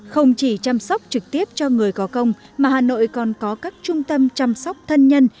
không chỉ chăm sóc trực tiếp cho người có công mà hà nội còn có các trung tâm chăm sóc thân nhân